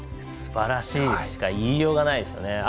すばらしいしか言いようがないですよね。